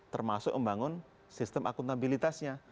termasuk membangun sistem akuntabilitasnya